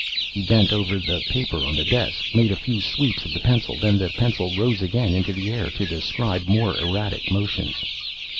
He bent over the paper on the desk, made a few sweeps of the pencil, then the pencil rose again into the air to describe more erratic motions.